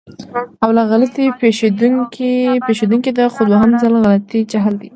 اوله غلطي پېښدونکې ده، خو دوهم ځل غلطي جهل دی.